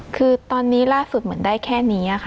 คือตอนนี้ล่าสุดเหมือนได้แค่นี้ค่ะ